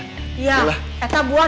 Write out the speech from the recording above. ya saya akan pergi dulu aduh